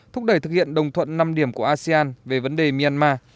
thúc đẩy thực hiện đồng thuận năm điểm của asean về vấn đề myanmar